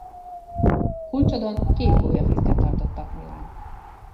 Kulcsodon két gólyafészket tartottak nyilván.